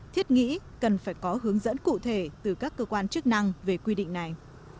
thiết nghĩ cần phải có hướng dẫn cụ thể từ các cơ quan chức năng về quy định này